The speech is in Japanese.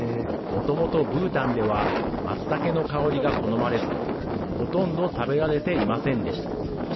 もともとブータンではまつたけの香りが好まれずほとんど食べられていませんでした。